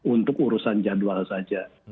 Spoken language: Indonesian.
untuk urusan jadwal saja